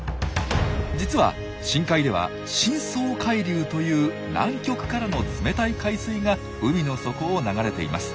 実は深海では「深層海流」という南極からの冷たい海水が海の底を流れています。